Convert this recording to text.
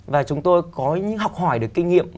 và chúng tôi có những học hỏi được kinh nghiệm